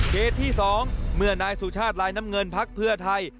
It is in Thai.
เหตุที่๒เมื่อนายสุชาติลายน้ำเงินพักเพื่อไทย